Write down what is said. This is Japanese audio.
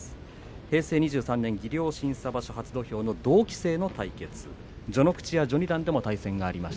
平成２３年、技量審査場所初土俵の同期生の対決です。